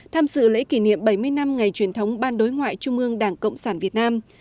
tham dự lễ kỷ niệm bảy mươi năm ngày truyền thống ban đối ngoại trung ương đảng cộng sản việt nam